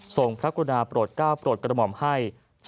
พระกุณาโปรดก้าวโปรดกระหม่อมให้